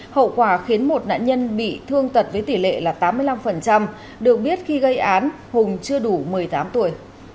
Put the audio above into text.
hậu quả khiến một nạn nhân bị thương tật với tỷ lệ là tám mươi năm được biết khi gây án hùng chưa đủ một mươi tám tuổi